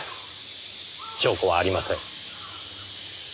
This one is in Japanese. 証拠はありません。